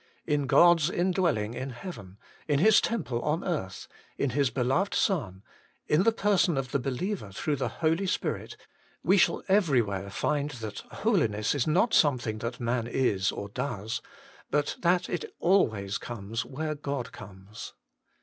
In God's indwelling in heaven, in His temple on earth, in His beloved Son, in the person of the believer through the Holy Spirit, we shall everywhere find that Holiness is not something that man is or does, but that it always comes where God comes.